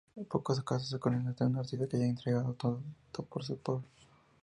Pocos casos se conocen de un artista que haya entregado tanto por su pueblo.